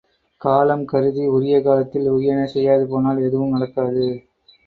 காலம் கருதி உரிய காலத்தில் உரியன செய்யாது போனால் எதுவும் நடக்காது.